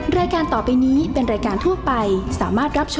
แม่บ้านประจันบรรย์